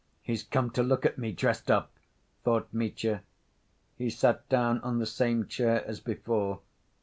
"He's come to look at me dressed up," thought Mitya. He sat down on the same chair as before.